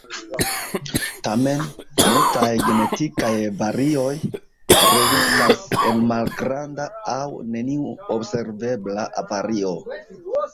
Tamen, multaj genetikaj varioj rezultas en malgranda aŭ neniu observebla vario.